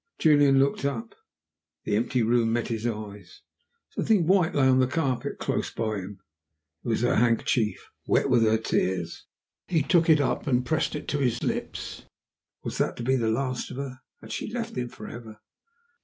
Julian looked up. The empty room met his eyes. Something white lay on the carpet close by him. It was her handkerchief wet with her tears. He took it up and pressed it to his lips. Was that to be the last of her? Had she left him forever?